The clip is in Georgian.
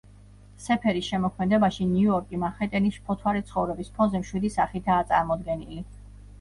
სეფერის შემოქმედებაში ნიუ-იორკი მანჰეტენის მშფოთვარე ცხოვრების ფონზე მშვიდი სახითაა წარმოჩენილი.